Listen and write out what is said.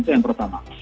itu yang pertama